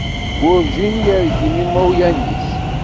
Werǧin yergim imawlan-is.